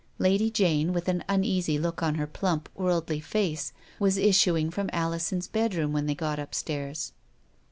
Lady Jane, with an uneasy look on her plump, worldly face, was issuing from Alison's bed room when they got upstairs.